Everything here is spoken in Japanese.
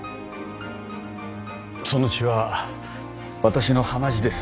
その血は私の鼻血です。